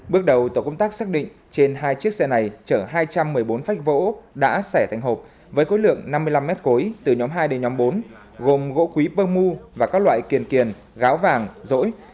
bước đầu tổ công tác xác định trên hai chiếc xe này chở hai trăm một mươi bốn phách vỗ đã xẻ thành hộp với cối lượng năm mươi năm m cối từ nhóm hai đến nhóm bốn gồm gỗ quý bơ mu và các loại kiền kiền gáo vàng rỗi